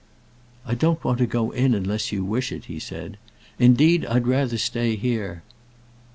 "I don't want to go in unless you wish it," he said. "Indeed, I'd rather stay here.